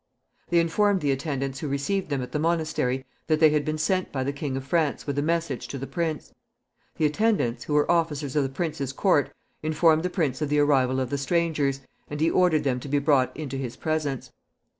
They informed the attendants who received them at the monastery that they had been sent by the King of France with a message to the prince. The attendants, who were officers of the prince's court, informed the prince of the arrival of the strangers, and he ordered them to be brought into his presence.